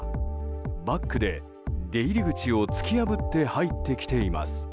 バックで出入り口を突き破って入ってきています。